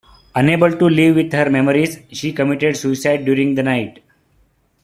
Unable to live with her memories, she committed suicide during the night.